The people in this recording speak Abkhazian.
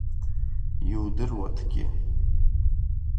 Иудыруаҭгьы.